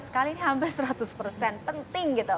sekali ini hampir seratus persen penting gitu